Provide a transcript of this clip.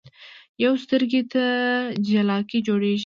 يوې سترګې ته جالکي جوړيږي